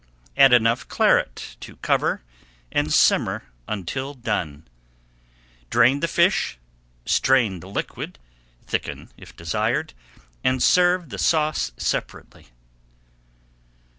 Add enough Claret to cover and simmer until done. Drain the fish, strain the liquid, thicken if [Page 308] desired, and serve the sauce separately.